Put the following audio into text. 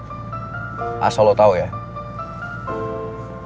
usus goreng itu baik sama lo bukan karena dia suka sama lo